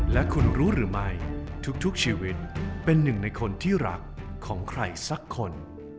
และคุณรู้หรือไม่ทุกชีวิตเป็นหนึ่งในคนที่รักของใครสักคน